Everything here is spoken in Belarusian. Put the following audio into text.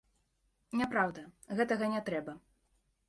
Няпраўда, гэтага не трэба.